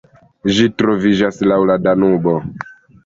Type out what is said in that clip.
Ĝi troviĝas laŭ la Danubo.